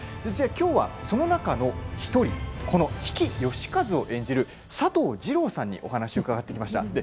きょうはその中の１人この比企能員を演じる佐藤二朗さんに話を伺ってきました。